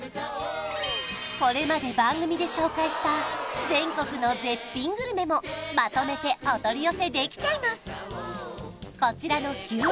これまで番組で紹介した全国の絶品グルメもまとめてお取り寄せできちゃいます